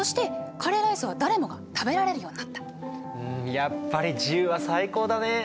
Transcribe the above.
やっぱり自由は最高だね。